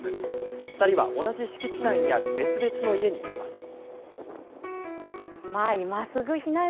２人は同じ敷地内にある別々の家にいました。